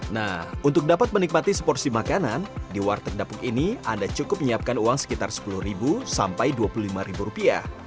nah untuk dapat menikmati seporsi makanan di warteg dapuk ini anda cukup menyiapkan uang sekitar sepuluh sampai rp dua puluh lima